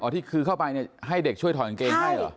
ที่คือเข้าไปให้เด็กช่วยถอดกางเกงให้เหรอ